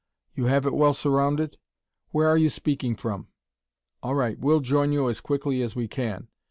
You have it well surrounded? Where are you speaking from? All right, we'll join you as quickly as we can.